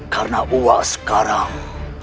karena aku sekarang